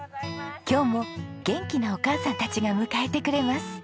今日も元気なお母さんたちが迎えてくれます。